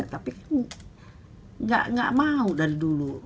tapi nggak mau dari dulu